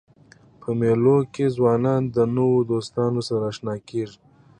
په مېلو کښي ځوانان د نوو دوستانو سره اشنا کېږي.